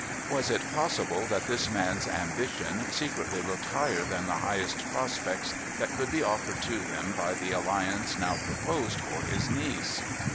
Was it possible that this man's ambition secretly looked higher than the highest prospects that could be offered to him by the alliance now proposed for his niece